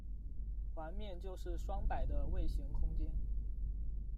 环面就是双摆的位形空间。